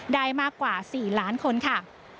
ได้มากกว่า๔ล้านคนค่ะ